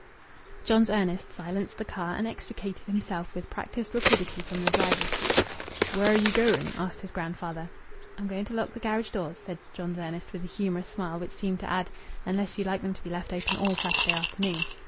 John's Ernest silenced the car, and extricated himself with practised rapidity from the driver's seat. "Where are ye going?" asked his grandfather. "I'm going to lock the garage doors," said John's Ernest, with a humorous smile which seemed to add, "Unless you'd like them to be left open all Saturday afternoon."